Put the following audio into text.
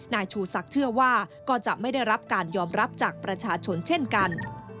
นายชูศักดิ์เชื่อว่าก็จะไม่ได้รับการยอมรับจากประชาชนเช่นกัน